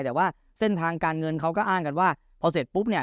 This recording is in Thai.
แต่ว่าเส้นทางการเงินเขาก็อ้างกันว่าพอเสร็จปุ๊บเนี่ย